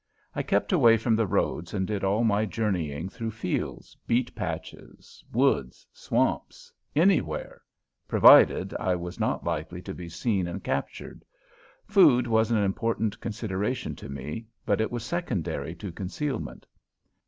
I kept away from the roads and did all my journeying through fields, beet patches, woods, swamps anywhere, provided I was not likely to be seen and captured. Food was an important consideration to me, but it was secondary to concealment.